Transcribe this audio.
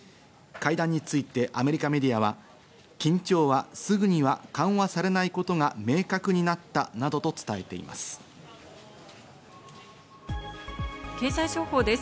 会談についてアメリカメディアは、緊張はすぐには緩和されないことが明確になったなどと伝えています。